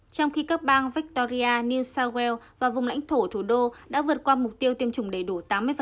trong khi các bang victoria new south wales và vùng lãnh thổ thủ đô đã vượt qua mục tiêu tiêm chủng đầy đủ tám mươi